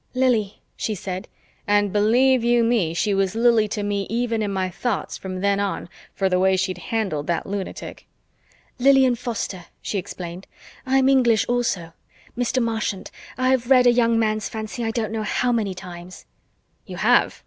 "Lili," she said, and believe you me, she was Lili to me even in my thoughts from then on, for the way she'd handled that lunatic. "Lilian Foster," she explained. "I'm English also. Mr. Marchant, I've read A Young Man's Fancy I don't know how many times." "You have?